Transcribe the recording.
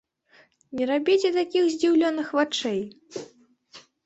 Не рабіце такіх здзіўленых вачэй!